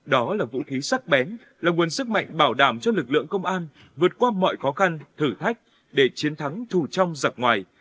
đó là vũ khí sắc bén là nguồn sức mạnh bảo đảm cho lực lượng công an vượt qua mọi khó khăn thử thách để chiến thắng thù trong giặc ngoài